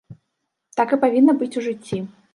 Так і павінна быць у жыцці.